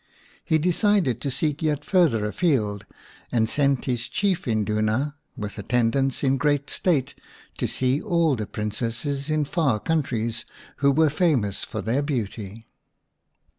He decided to seek yet farther afield, and sent his chief Induna l with attendants in great state to see all the Princesses in far countries who were famous for their beauty.